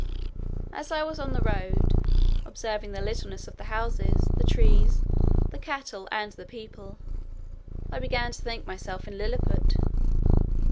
As I was on the road, observing the littleness of the houses, the trees, the cattle, and the people, I began to think myself in Lilliput.